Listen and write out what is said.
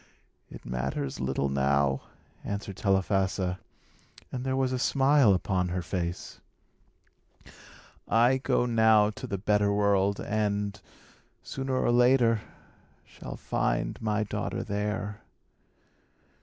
"It matters little now," answered Telephassa, and there was a smile upon her face. "I go now to the better world, and, sooner or later, shall find my daughter there."